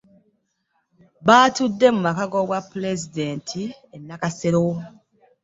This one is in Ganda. Baatudde mu maka g'obwa pulezidenti e Nakasero